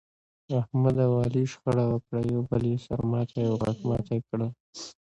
احمد او علي شخړه وکړه، یو بل یې سر ماتی او غاښ ماتی کړل.